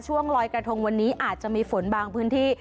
ลอยกระทงวันนี้อาจจะมีฝนบางพื้นที่